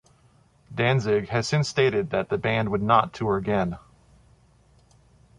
Danzig had since stated that the band would not tour again.